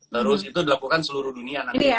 terus itu dilakukan seluruh dunia nantinya